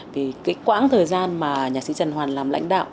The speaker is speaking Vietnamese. vì cái quãng thời gian mà nhạc sĩ trần hoàn làm lãnh đạo